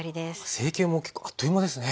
成形も結構あっという間ですね。